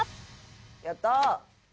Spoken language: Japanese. やったー！